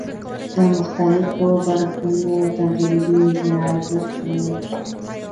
د مختلفو بحرونو تجربې ریاضت غواړي.